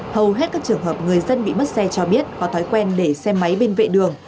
hầu hết các trường hợp người dân bị mất xe cho biết có thói quen để xe máy bên vệ đường